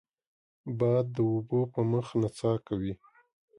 باد د اوبو په مخ نڅا کوي